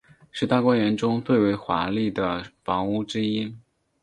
是大观园中最为华丽的房屋之一。